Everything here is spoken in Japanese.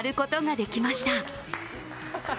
できました？